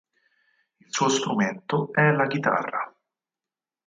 Il suo strumento è la chitarra.